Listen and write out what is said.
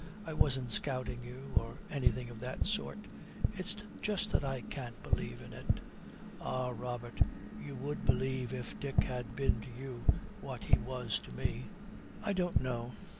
I wasn't scouting you, or anything of that sort. It's just that I can't believe in it.' 'Ah, Robert, you would believe if Dick had been to you what he was to me.' 'I don't know.'